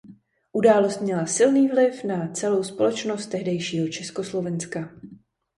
Událost měla silný vliv na celou společnost tehdejšího Československa.